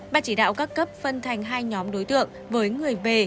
ban chỉ đạo các cấp phân thành hai nhóm đối tượng với người về